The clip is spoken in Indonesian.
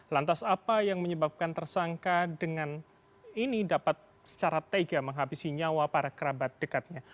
lantas apa yang menyebabkan tersangka dengan ini dapat secara tega menghabisi nyawa para kerabat dekatnya